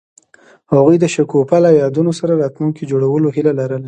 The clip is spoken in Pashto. هغوی د شګوفه له یادونو سره راتلونکی جوړولو هیله لرله.